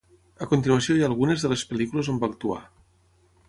A continuació hi ha algunes de les pel·lícules on va actuar.